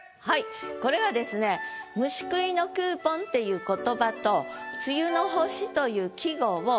これはですね「虫食いのクーポン」っていう言葉と「梅雨の星」という季語を